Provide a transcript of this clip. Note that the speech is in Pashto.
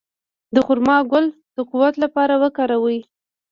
د خرما ګل د قوت لپاره وکاروئ